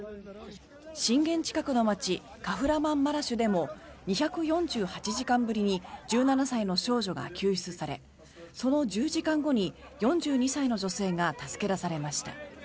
震源近くの街カフラマンマラシュでも２４８時間ぶりに１７歳の少女が救出されその１０時間後に４２歳の女性が助け出されました。